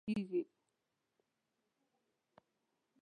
د قدرت مصنوعي برم په فرهنګي اصلاحاتو ورکېږي.